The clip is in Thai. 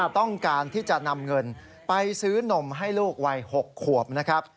ต้องการที่จะนำเงินไปซื้อนมให้ลูกวัย๖ขวบนะครับ